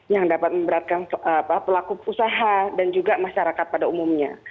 yang dapat memberatkan pelaku usaha dan juga masyarakat pada umumnya